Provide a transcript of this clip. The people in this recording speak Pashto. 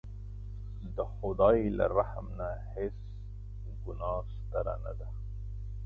د خدای له رحم نه هېڅ ګناه ستره نه ده.